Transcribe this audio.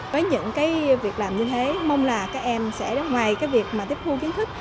với những việc làm như thế mong là các em sẽ ngoài việc tiếp thu kiến thức